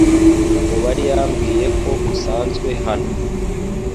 Umubari yambwiye ko usanzwe hano.